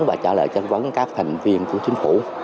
và trả lời chất vấn các thành viên của chính phủ